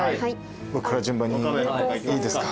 僕から順番にいいですか？